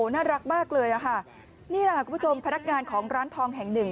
น่ารักมากเลยอ่ะค่ะนี่แหละคุณผู้ชมพนักงานของร้านทองแห่งหนึ่ง